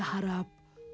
tuhan yang menjaga kita